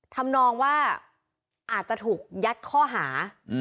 ทำนองว่าอาจจะถูกยัดข้อหา